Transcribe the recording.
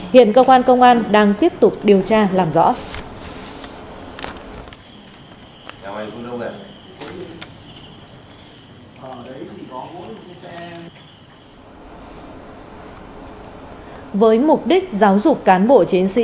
hiện công an đang tiếp tục điều tra làm rõ